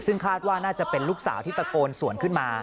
ซึ่งคาดว่าน่าจะเป็นลูกสาวที่ตะโกนสวนขึ้นมา